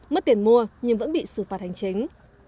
mất tiền mua nhưng vẫn bị xử phạt hành chính